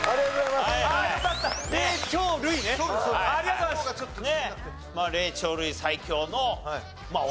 まあ「霊長類」最強の「女」。